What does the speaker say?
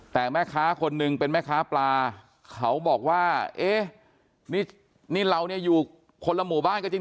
แต่แม่ค้าคนหนึ่งเป็นแม่ค้าปลาเขาบอกว่าเอ๊ะนี่เราเนี่ยอยู่คนละหมู่บ้านก็จริง